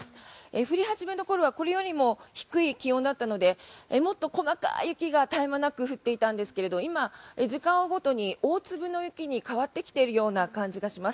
降り始めの頃はこれよりも低い気温だったのでもっと細かい雪が絶え間なく降っていたんですけど今、時間を追うごとに大粒の雪に変わってきているような感じがします。